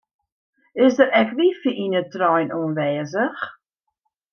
Is der ek wifi yn de trein oanwêzich?